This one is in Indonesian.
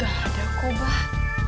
gak ada kubah